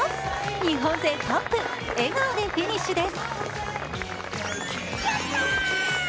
日本勢トップ、笑顔でフィニッシュです。